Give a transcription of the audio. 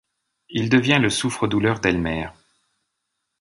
Il devient le souffre-douleur d'Elmer.